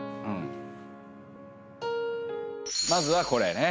まずはこれね。